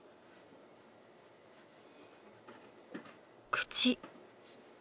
口。